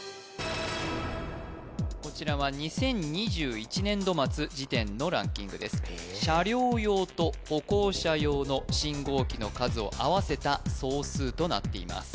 こちらは２０２１年度末時点のランキングです車両用と歩行者用の信号機の数を合わせた総数となっています